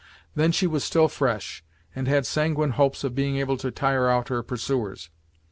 Then she was still fresh, and had sanguine hopes of being able to tire out her pursuers.